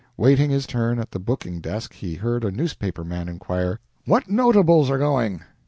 Waiting his turn at the booking desk, he heard a newspaper man inquire: "What notables are going?"